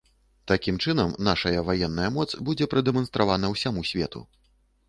Такім чынам, нашая ваенная моц будзе прадэманстравана ўсяму свету.